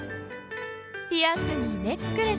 ピアスにネックレス。